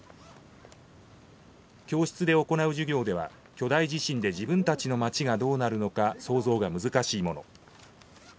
教室で行う授業では巨大地震で自分たちの町がどうなるのか想像が難しいもの。